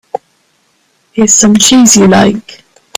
Here's some cheese you like.